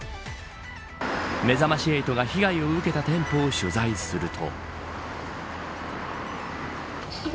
めざまし８が被害を受けた店舗を取材すると。